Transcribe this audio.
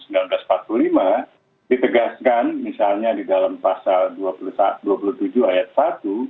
ditegaskan misalnya di dalam pasal dua puluh tujuh ayat satu